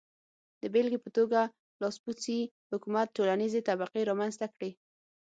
د بېلګې په توګه لاسپوڅي حکومت ټولنیزې طبقې رامنځته کړې.